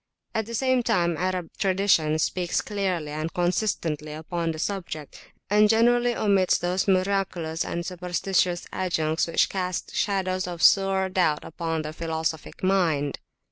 At the same time Arab tradition speaks clearly and consistently upon the subject, and generally omits those miraculous and superstitious adjuncts which cast shadows of sore doubt upon the philosophic mind.